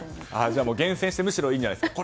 厳選して、むしろいいんじゃないですか？